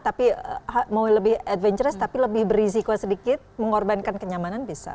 tapi mau lebih adventures tapi lebih berisiko sedikit mengorbankan kenyamanan bisa